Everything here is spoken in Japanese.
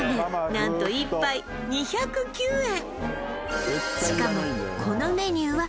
なんと１杯２０９円